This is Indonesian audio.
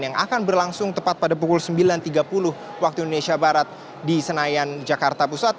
yang akan berlangsung tepat pada pukul sembilan tiga puluh waktu indonesia barat di senayan jakarta pusat